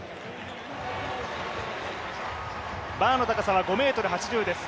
バーの高さは５ｍ８０です。